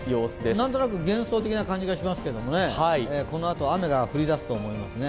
何となく幻想的な感じがしますけれども、このあと雨が降りだすと思いますね。